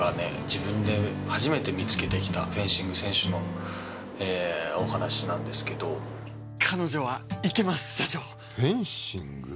自分で初めて見つけてきたフェンシング選手のお話なんですけど彼女はいけます社長フェンシング？